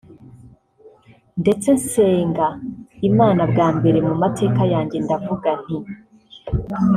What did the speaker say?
ndetse nsenga Imana bwa mbere mu mateka yanjye ndavuga nti